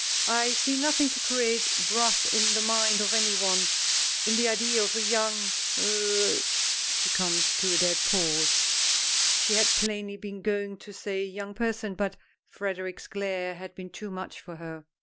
"I see nothing to create wrath in the mind of any one, in the idea of a young er " She comes to a dead pause; she had plainly been going to say young person but Frederic's glare had been too much for her.